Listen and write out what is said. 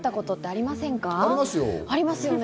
ありますよ。